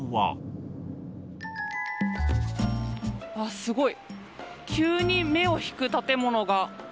すごい、急に目を引く建物が。